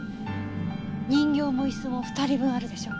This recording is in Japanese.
人形もイスも二人分あるでしょ。